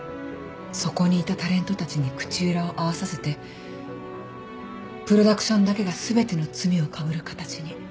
そこにいたタレントたちに口裏を合わさせてプロダクションだけが全ての罪をかぶる形に。